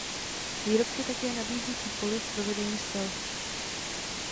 Výrobce také nabízí kupoli v provedení stealth.